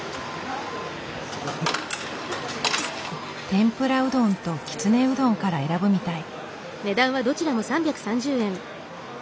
天ぷらうどんときつねうどんから選ぶみたい。